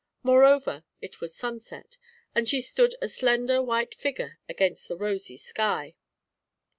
Moreover, it was sunset, and she stood a slender white figure against the rosy sky.